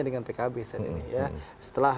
dengan pkb saat ini ya setelah